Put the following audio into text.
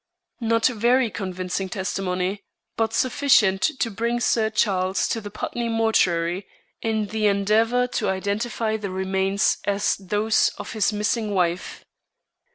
Not very convincing testimony, but sufficient to bring Sir Charles to the Putney mortuary in the endeavor to identify the remains as those of his missing wife.